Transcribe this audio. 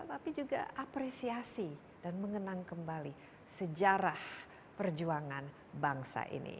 tapi juga apresiasi dan mengenang kembali sejarah perjuangan bangsa ini